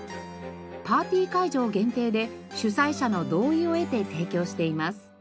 パーティー会場限定で主催者の同意を得て提供しています。